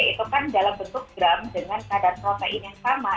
itu kan dalam bentuk gram dengan kadar protein yang sama